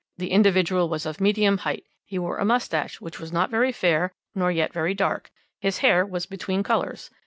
"The individual was of medium height, he wore a moustache which was not very fair nor yet very dark, his hair was between colours.